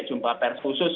jumpa pers khusus